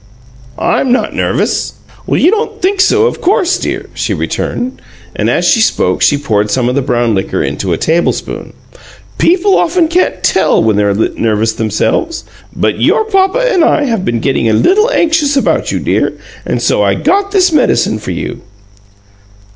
"I'm not nervous." "You don't think so, of course, dear," she returned, and, as she spoke, she poured some of the brown liquor into a tablespoon. "People often can't tell when they're nervous themselves; but your Papa and I have been getting a little anxious about you, dear, and so I got this medicine for you."